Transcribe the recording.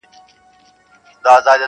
د سړیو غلبلې سي انګولا سي د لېوانو -